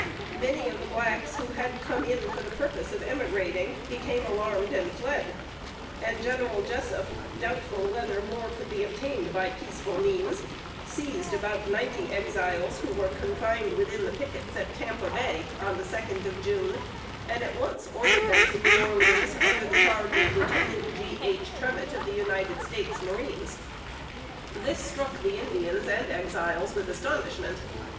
Many of the blacks, who had come in for the purpose of emigrating, became alarmed and fled; and General Jessup, doubtful whether more could be obtained by peaceful means, seized about ninety Exiles who were confined within the pickets at Tampa Bay, on the second of June, and at once ordered them to New Orleans, under the charge of Lieutenant G. H. Trevitt, of the United States Marines. This struck the Indians and Exiles with astonishment.